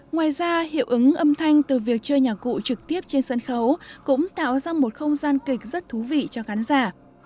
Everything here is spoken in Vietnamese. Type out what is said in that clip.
ngoài ra hiệu ứng âm thanh từ việc chơi nhạc cụ trực tiếp trên sân khấu cũng tạo ra một không gian kịch rất thú vị cho khán giả